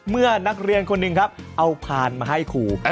เมื่อนักเรียนคนหนึ่งครับเอาพานมาให้ครู